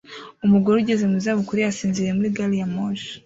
Umugore ugeze mu za bukuru yasinziriye muri gari ya moshi